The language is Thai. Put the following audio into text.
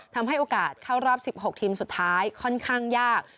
ทำให้โอกาสเข้ารอบ๑๖ทีมสุดท้ายค่อนข้างยาก